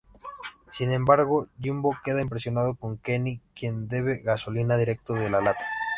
Sin embargo, Jimbo queda impresionado con Kenny, quien bebe gasolina directo de la lata.